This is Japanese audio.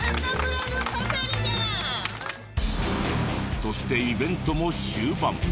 そしてイベントも終盤。